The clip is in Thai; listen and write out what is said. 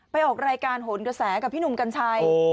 ออกรายการโหนกระแสกับพี่หนุ่มกัญชัย